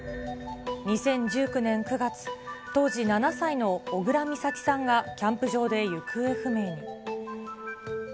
２０１９年９月、当時７歳の小倉美咲さんがキャンプ場で行方不明に。